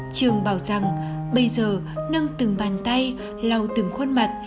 trường bảo rằng bây giờ nâng từng bàn tay lau từng khuôn mặt